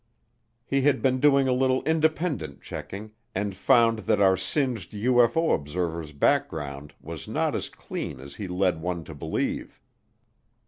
He had been doing a little independent checking and found that our singed UFO observer's background was not as clean as he led one to believe.